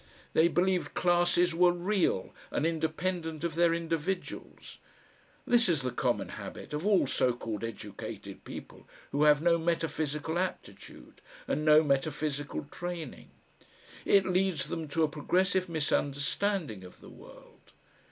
They believed classes were REAL and independent of their individuals. This is the common habit of all so called educated people who have no metaphysical aptitude and no metaphysical training. It leads them to a progressive misunderstanding of the world.